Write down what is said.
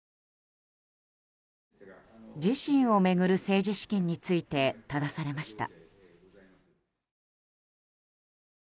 自身を巡る政治資金についてただされました。